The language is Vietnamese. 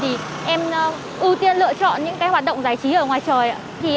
thì em ưu tiên lựa chọn những hoạt động giải trí ở ngoài trời ạ